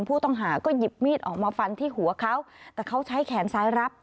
ผู้ต้องหาก็หยิบมีดออกมาฟันที่หัวเขาแต่เขาใช้แขนซ้ายรับ